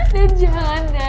dan jangan dede